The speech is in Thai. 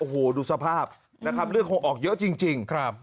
โอ้โหดูสภาพนะครับเลือดคงออกเยอะจริงครับ